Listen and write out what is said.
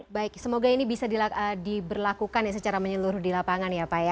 baik semoga ini bisa diberlakukan secara menyeluruh di lapangan ya pak ya